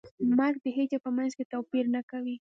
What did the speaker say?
مرګ د هیچا په منځ کې توپیر نه کوي.